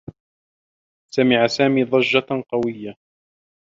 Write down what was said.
سمع سامي ضجّة قويّة.